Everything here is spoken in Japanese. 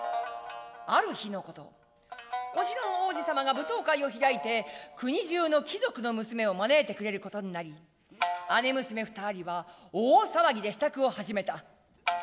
ある日のことお城の王子様が舞踏会を開いて国中の貴族の娘を招いてくれることになり姉娘二人は大騒ぎで支度を始めた。